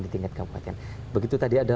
di tingkat kabupaten begitu tadi ada